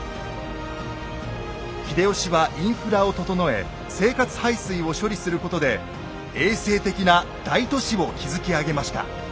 秀吉はインフラを整え生活排水を処理することで衛生的な大都市を築き上げました。